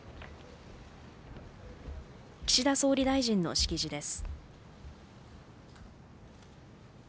岸田総理大臣の式辞です。